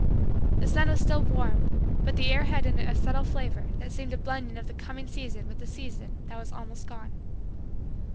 The sun was still warm but the air had in it a subtle flavor that seemed a blending of the coming season with the season that was almost gone.